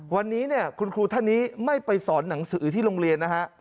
วันนี้เนี่ยคุณครูท่านนี้ไม่ไปสอนหนังสือที่โรงเรียนนะฮะ